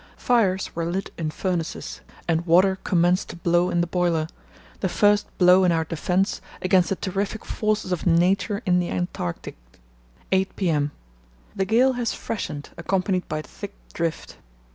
Fires were lit in furnaces, and water commenced to blow in the boiler—the first blow in our defence against the terrific forces of Nature in the Antarctic. 8 p.m.—The gale has freshened, accompanied by thick drift."